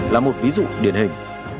là một ví dụ điển hình